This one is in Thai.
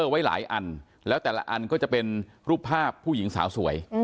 ไว้หลายอันแล้วแต่ละอันก็จะเป็นรูปภาพผู้หญิงสาวสวย